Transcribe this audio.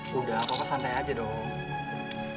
sudah papa santai aja dong